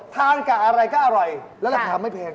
ทานกับอะไรก็อร่อยและราคาไม่แพง